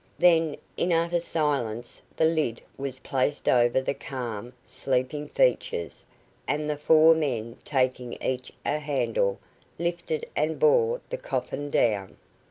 Then, in utter silence, the lid was placed over the calm, sleeping features, and the four men, taking each a handle, lifted and bore the coffin down.